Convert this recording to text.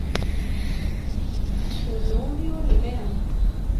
¿Sunú mi oliméa?